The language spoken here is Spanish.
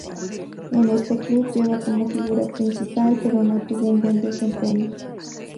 En este club llega como figura principal, pero no tuvo un buen desempeño.